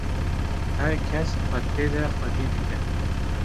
her kes xwe tê de xwedî dike